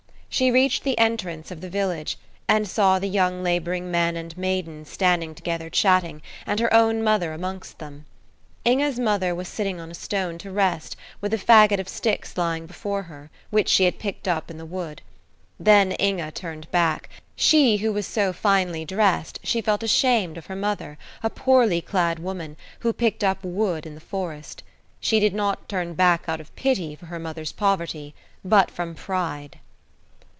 She reached the entrance of the village, and saw the young laboring men and maidens standing together chatting, and her own mother amongst them. Inge's mother was sitting on a stone to rest, with a fagot of sticks lying before her, which she had picked up in the wood. Then Inge turned back; she who was so finely dressed she felt ashamed of her mother, a poorly clad woman, who picked up wood in the forest. She did not turn back out of pity for her mother's poverty, but from pride.